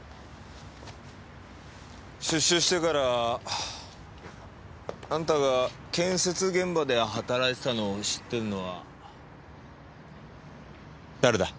出所してからあんたが建設現場で働いてたのを知ってんのは誰だ？